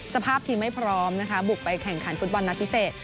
สภาพทีมไม่พร้อมนะคะบุกไปแข่งขันฟุตบอลนัดพิเศษ